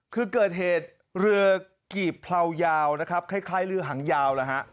คือเกิดเหตุเรือกีบเลายาวนะครับคล้ายเรือหางยาวแล้วฮะ